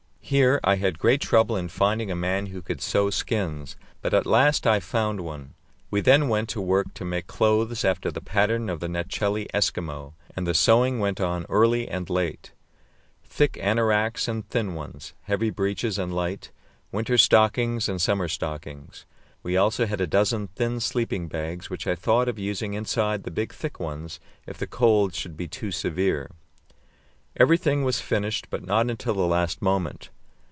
Here I had great trouble in finding a man who could sew skins, but at last I found one. We then went to work to make clothes after the pattern of the Netchelli Eskimo, and the sewing went on early and late thick anoraks and thin ones, heavy breeches and light, winter stockings and summer stockings. We also had a dozen thin sleeping bags, which I thought of using inside the big thick ones if the cold should be too severe. Everything was finished, but not until the last moment.